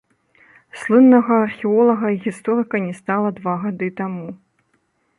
Слыннага археолага і гісторыка не стала два гады таму.